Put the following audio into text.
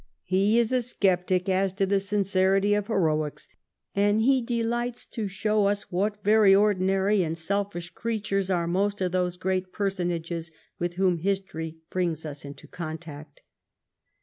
He is a sceptic as to the sincerity of heroics, and he delights to show us what very ordinary and selfish creatures are most of those great personages with whom history brings us into 878 JONATHAN SWIFT'S VIEWS contact.